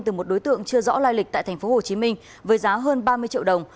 từ một đối tượng chưa rõ lai lịch tại tp hcm với giá hơn ba mươi triệu đồng